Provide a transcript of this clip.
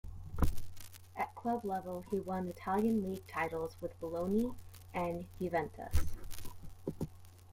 At club level, he won Italian league titles with Bologna and Juventus.